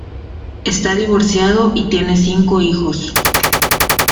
Está divorciado y tiene cinco hijos.